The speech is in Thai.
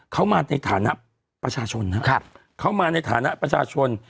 เขามาในฐานะประชาชนครับเขามาในฐานะประชาชน